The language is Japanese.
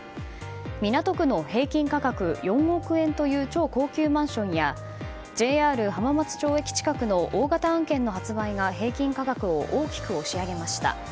港区の平均価格４億円という超高級マンションやＪＲ浜松町駅近くの大型案件の発売が平均価格を大きく押し上げました。